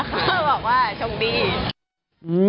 ก็บอกว่าชงดี